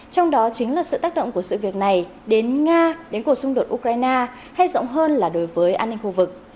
trong đó chính là sự tác động của sự việc này đến nga đến cuộc xung đột ukraine hay rộng hơn là đối với an ninh khu vực